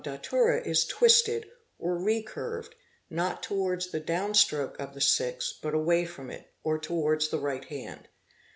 POISONING 659 Datura is "twisted" or re curved, not. towards the down stroke of the 6, but away from it, or towards the right hand.